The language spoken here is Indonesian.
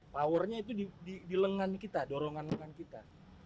powernya itu di lengan kita dorongan lengan kita